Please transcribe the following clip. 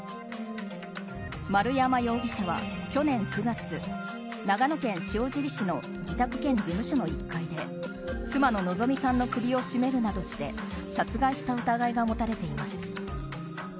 丸山容疑者は去年９月長野県塩尻市の自宅兼事務所の１階で妻の希美さんの首を絞めるなどして殺害した疑いが持たれています。